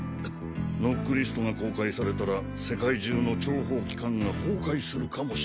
ノックリストが公開されたら世界中の諜報機関が崩壊するかもしれん。